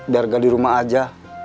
darga di rumah aja